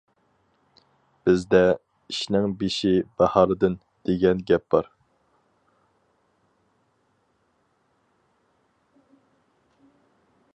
بىزدە‹‹ ئىشنىڭ بېشى باھاردىن›› دېگەن گەپ بار.